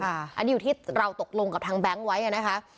อันที่เราตกลงกับทางแบงค์ไว้นะคะ